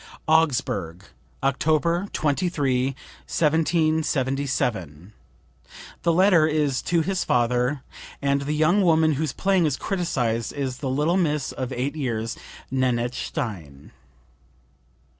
(Augsburg, October 23, 1777. The letter is to his father and the young woman whose playing is criticized is the little miss of eight years, Nanette Stein.)